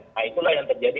nah itulah yang terjadi